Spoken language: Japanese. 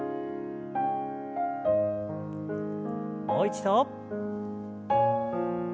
もう一度。